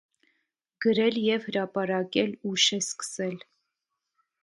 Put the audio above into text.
Գրել և հրապարակել ուշ է սկսել։